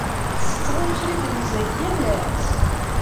Tsetteḍ imekli n tnezzayt yal ass?